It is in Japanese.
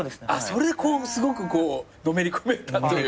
それでこうすごくのめり込めたという。